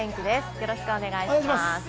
よろしくお願いします。